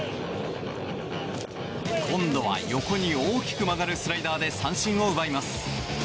今度は横に大きく曲がるスライダーで三振を奪います。